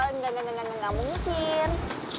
enggak enggak enggak enggak enggak gak mungkin